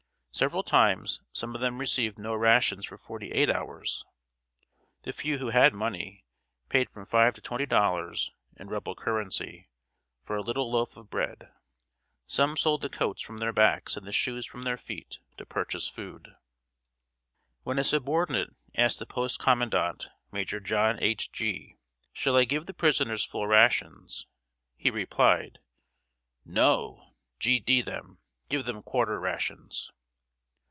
Several times some of them received no rations for forty eight hours. The few who had money, paid from five to twenty dollars, in Rebel currency, for a little loaf of bread. Some sold the coats from their backs and the shoes from their feet to purchase food. When a subordinate asked the post Commandant, Major John H. Gee, "Shall I give the prisoners full rations?" he replied: "No, G d d n them, give them quarter rations!"